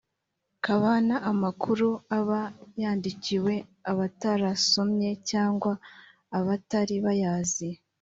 Kabana amakuru aba yandikiwe abatarasomye cg abatari bayazi